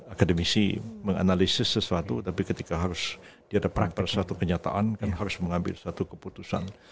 akademisi menganalisis sesuatu tapi ketika harus dia ada praksis satu kenyataan kan harus mengambil satu keputusan